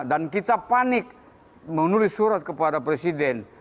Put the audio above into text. dan kita panik menulis surat kepada presiden